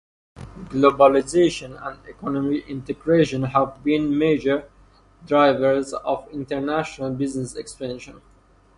Globalization and economic integration have been major drivers of international business expansion.